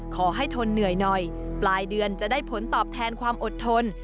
ทนเหนื่อยหน่อยปลายเดือนจะได้ผลตอบแทนความอดทน